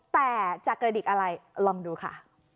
แต่จะกระดิกอะไรลองดูค่ะ